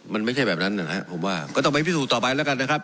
มันไม่ใช่แบบนั้นนะครับผมว่าก็ต้องไปพิสูจนต่อไปแล้วกันนะครับ